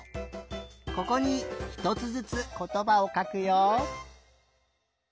ここにひとつずつことばをかくよ。